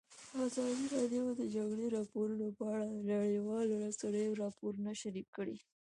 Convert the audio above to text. ازادي راډیو د د جګړې راپورونه په اړه د نړیوالو رسنیو راپورونه شریک کړي.